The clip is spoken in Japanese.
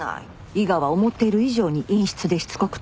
伊賀は思っている以上に陰湿でしつこくて。